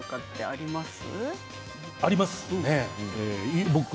あります。